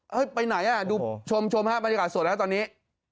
เฮ้ยไปไหนอะชมบรรยากาศสดแล้วตอนนี้